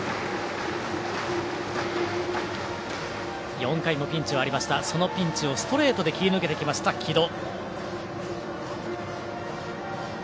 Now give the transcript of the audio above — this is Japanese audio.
４回にもピンチはありましたがそのピンチをストレートで切り抜けてきました城戸。